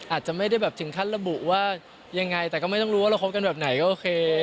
อาจจะไม่ได้แบบถึงขั้นระบุว่ายังไงแต่ก็ไม่ต้องรู้ว่าเราคบกันแบบไหนก็โอเค